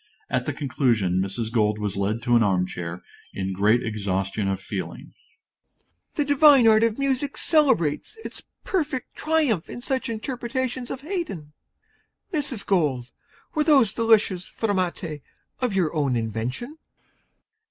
At the conclusion, Mrs. Gold was led to the arm chair, in great exhaustion of feeling._) MR. PIOUS. The divine art of music celebrates its perfect triumph in such interpretations of Haydn. Mrs. Gold, were those delicious fermate of your own invention?